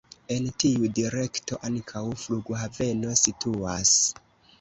En tiu direkto ankaŭ flughaveno situas.